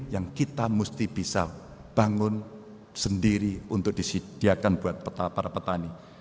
yang kita mesti bisa bangun sendiri untuk disediakan buat para petani